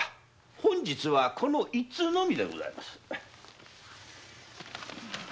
今日はこの一通のみでございます。